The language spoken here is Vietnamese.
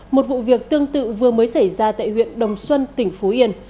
một vụ việc tương tự vừa mới xảy ra tại huyện đồng xuân tỉnh phú yên